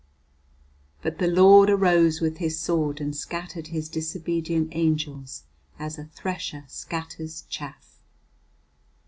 But the Lord arose with His sword, and scattered His disobedient angels as a thresher scatters chaff.